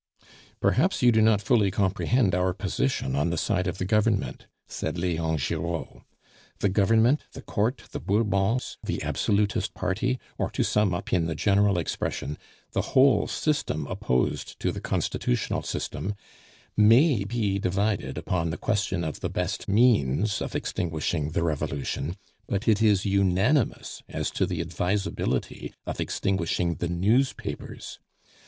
"Perhaps you do not fully comprehend our position on the side of the Government," said Leon Giraud. "The Government, the Court, the Bourbons, the Absolutist Party, or to sum up in the general expression, the whole system opposed to the constitutional system, may be divided upon the question of the best means of extinguishing the Revolution, but is unanimous as to the advisability of extinguishing the newspapers.